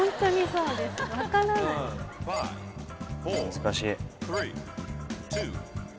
難しい。